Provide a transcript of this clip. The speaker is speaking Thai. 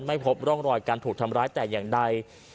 ไม่พบร่องรอยการถูกทำร้ายแต่อย่างใด